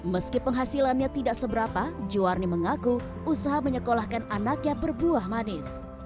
meski penghasilannya tidak seberapa juwarni mengaku usaha menyekolahkan anaknya berbuah manis